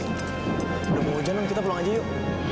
udah mau hujan nun kita pulang aja yuk